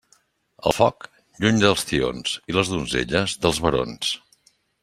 El foc, lluny dels tions, i les donzelles, dels barons.